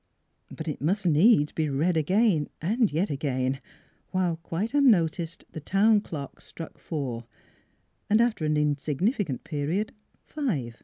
But it must needs be NEIGHBORS 327 read again and yet again, while quite unnoticed the town clock struck four, and after an insig nificant period five.